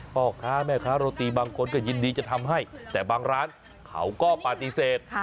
พ่อค้าแม่ค้าโรตีบางคนก็ยินดีจะทำให้แต่บางร้านเขาก็ปฏิเสธ